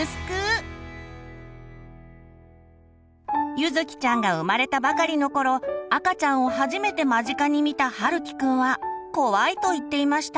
ゆずきちゃんが生まれたばかりの頃赤ちゃんを初めて間近に見たはるきくんは「こわい」と言っていました。